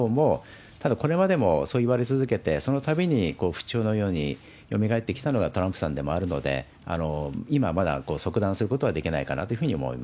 ただ、これまでもそう言われ続けて、そのたびに不死鳥のようによみがえってきたのがトランプさんでもあるので、今まだ、即断することはできないかなというふうに思い